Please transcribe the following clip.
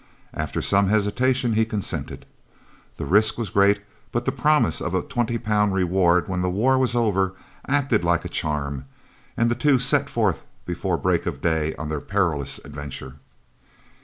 After some hesitation he consented. The risk was great, but the promise of £20 reward when the war was over acted like a charm, and the two set forth before break of day on their perilous adventure.